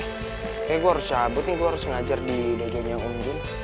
kayaknya gue harus sabut nih gue harus ngajar di dojo nya um jun